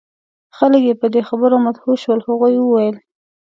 خلک یې په دې خبرو مدهوش شول. هغوی وویل: